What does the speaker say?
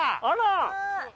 あら。